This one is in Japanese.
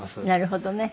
なるほどね。